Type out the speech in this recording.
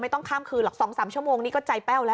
ต้องข้ามคืนหรอก๒๓ชั่วโมงนี้ก็ใจแป้วแล้ว